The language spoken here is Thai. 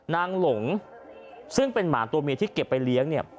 หลงซึ่งเป็นหมาตัวเมียที่เก็บไปเลี้ยงเนี่ย